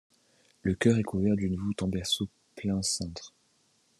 Le chœur est couvert d'une voûte en berceau plein cintre.